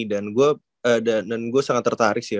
dan gue sangat tertarik sih ya